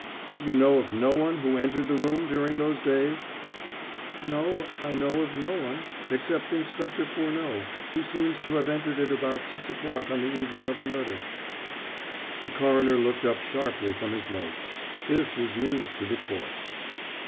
You know of no one who entered the room during those days?" "No, I know of no one except Inspector Furneaux, who seems to have entered it about six o'clock on the evening of the murder." The coroner looked up sharply from his notes. This was news to the court.